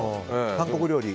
韓国料理。